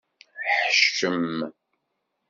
Ḥeccem.